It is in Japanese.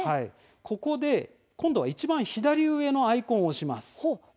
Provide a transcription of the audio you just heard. ここで今度はいちばん上のアイコンを押します。